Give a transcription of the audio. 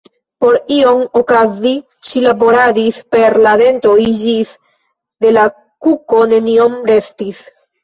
Por ion okazigi, ŝi laboradis per la dentoj ĝis de la kuko neniom restis.